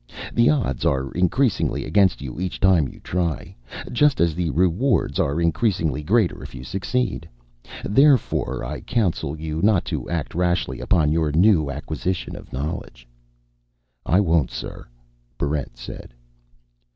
The odds are increasingly against you each time you try just as the rewards are increasingly greater if you succeed. Therefore I counsel you not to act rashly upon your new acquisition of knowledge." "I won't, sir," Barrent said.